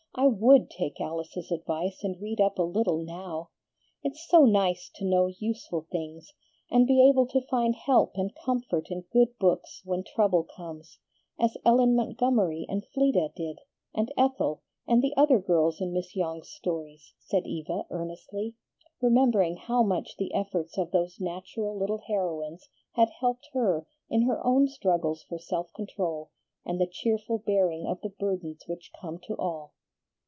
I WOULD take Alice's advice and read up a little now; it's so nice to know useful things, and be able to find help and comfort in good books when trouble comes, as Ellen Montgomery and Fleda did, and Ethel, and the other girls in Miss Yonge's stories," said Eva, earnestly, remembering how much the efforts of those natural little heroines had helped her in her own struggles tor self control and the cheerful bearing of the burdens which come to all.